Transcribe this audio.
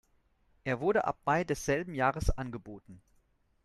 Er wurde ab Mai desselben Jahres angeboten.